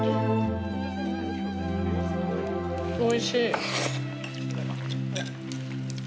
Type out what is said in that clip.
おいしい。